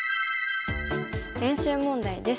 練習問題です。